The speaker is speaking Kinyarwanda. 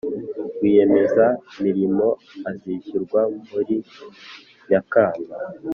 Rwiyemezamirimo azishyurwa muri nyakanga